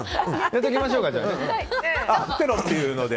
やっておきましょうか。